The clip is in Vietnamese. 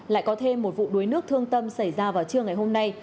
lại có thêm một vụ đuối nước thương tâm xảy ra vào trưa ngày hôm nay